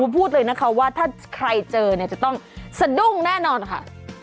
พูดเลยนะคะว่าถ้าใครเจอเนี่ยจะต้องสะดุ้งแน่นอนค่ะ